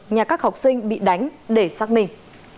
nhà các học sinh bị đánh để xác minh